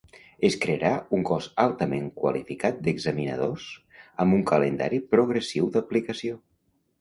Es crearà un cos altament qualificat d'examinadors, amb un calendari progressiu d'aplicació.